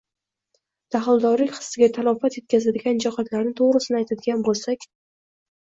daxldorlik hissiga talofat yetkazadigan jihatlarni, to‘g‘risini aytadigan bo‘lsak